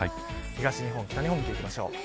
東日本、北日本を見ていきましょう。